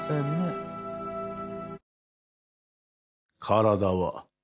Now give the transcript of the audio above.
体は。